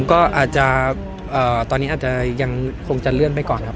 ก็อาจจะตอนนี้อาจจะยังคงจะเลื่อนไปก่อนครับ